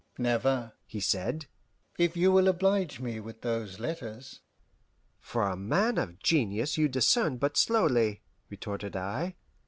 "Never," he said, "if you will oblige me with those letters." "For a man of genius you discern but slowly," retorted I.